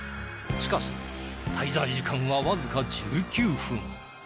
しかし滞在時間はわずか１９分。